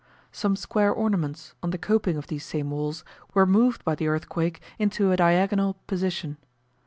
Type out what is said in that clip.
Some square ornaments on the coping of these same walls, were moved by the earthquake into a diagonal position.